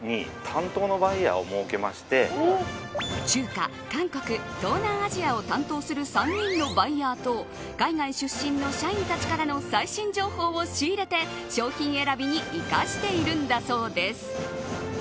中華、韓国東南アジアを担当する３人のバイヤーと海外出身の社員たちからの最新情報を仕入れて商品選びに生かしているんだそうです。